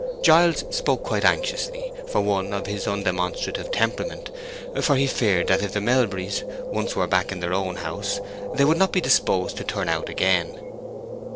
Giles spoke quite anxiously for one of his undemonstrative temperament; for he feared that if the Melburys once were back in their own house they would not be disposed to turn out again.